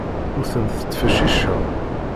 Ur tent-ttfecciceɣ.